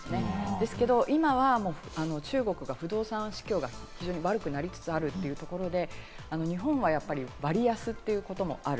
ですけれども今は中国が不動産市場が非常に悪くなりつつあるというところで、日本は割安ということもある。